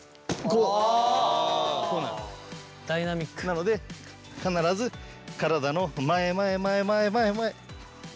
なので必ず体の前前前前前前。